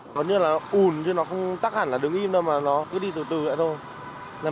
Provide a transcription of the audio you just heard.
nó như là ủn chứ nó không tắt hẳn là đứng im đâu mà nó cứ đi từ từ vậy thôi